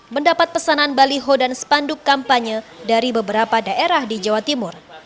mendapat pesanan baliho dan spanduk kampanye dari beberapa daerah di jawa timur